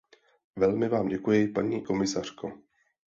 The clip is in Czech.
Velmi vám děkuji, paní komisařko.